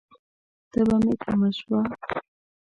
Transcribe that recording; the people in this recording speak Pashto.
تبه می کمه شوه؟